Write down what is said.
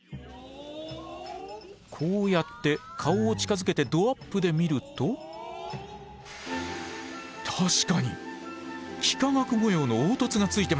こうやって顔を近づけてどアップで見ると確かに幾何学模様の凹凸がついてます！